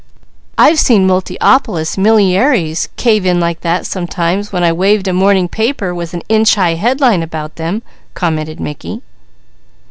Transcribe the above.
"I've seen Multiopolis millyingaires cave in like that sometimes when I waved a morning paper with an inch high headline about them," commented Mickey.